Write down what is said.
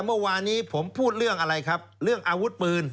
เมื่อวานนี้ผมพูดเรื่องอะไรครับเรื่องอาวุธปืน